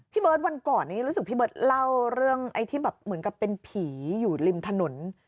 เบิร์ตวันก่อนนี้รู้สึกพี่เบิร์ตเล่าเรื่องไอ้ที่แบบเหมือนกับเป็นผีอยู่ริมถนน